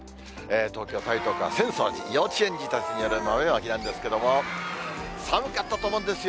東京・台東区は、浅草寺、幼稚園児たちによる豆まきなんですけれども、寒かったと思うんですよ。